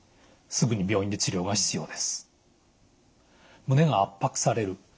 すぐに病院で治療が必要です。